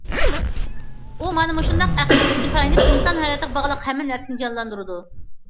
ئۇ مانا مۇشۇنداق ئەقلىي كۈچىگە تايىنىپ ئىنسان ھاياتىغا باغلىق ھەممە نەرسىنى جانلاندۇرىدۇ.